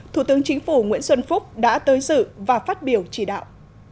thủ tướng chính phủ nguyễn xuân phúc đã tới dự và phát biểu chỉ đạo